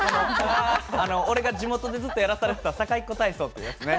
俺が地元でずっとやらされてた堺っ子体操っていうやつね。